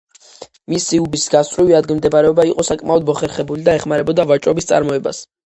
მისი უბის გასწვრივი ადგილმდებარეობა იყო საკმაოდ მოხერხებული და ეხმარებოდა ვაჭრობის წარმოებას.